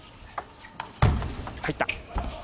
入った。